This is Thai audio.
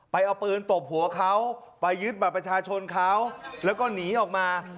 เอาปืนตบหัวเขาไปยึดบัตรประชาชนเขาแล้วก็หนีออกมา